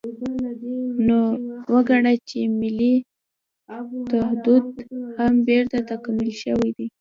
نو وګڼه چې ملي تعهُد هم بېرته تکمیل شوی دی.